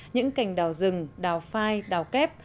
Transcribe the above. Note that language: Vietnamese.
những cành đào rừng đào phai đào kép